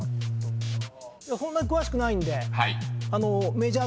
そんなに詳しくないんで。